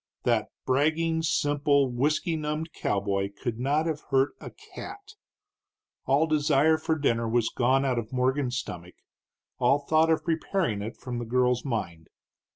That bragging, simple, whisky numbed cowboy could not have hurt a cat. All desire for dinner was gone out of Morgan's stomach, all thought of preparing it from the girl's mind.